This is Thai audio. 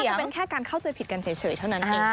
ก็เป็นแค่การเข้าใจผิดกันเฉยเท่านั้นเอง